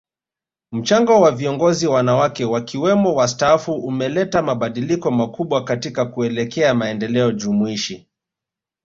Mchango wa viongozi wanawake wakiwemo wastaafu umeleta mabadiliko makubwa katika kuelekea maendeleo jumuishi